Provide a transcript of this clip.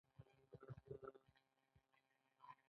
تاسو د محض رعیت تر کچې راښکته کیږئ.